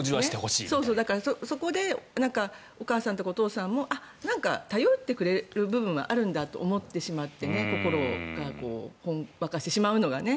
そこでお母さん、お父さんもなんか頼ってくれる部分はあるんだと思ってしまって心がほんわかしてしまうのはね。